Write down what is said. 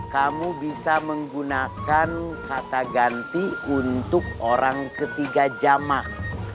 kamu bisa menggunakan kata ganti untuk orang ketiga jamah